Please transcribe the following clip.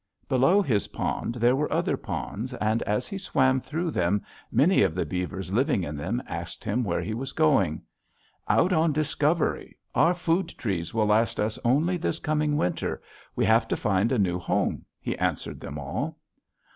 Below his pond there were other ponds; and as he swam through them many of the beavers living in them asked him where he was going. "'Out on discovery; our food trees will last us only this coming winter; we have to find a new home,' he answered them all.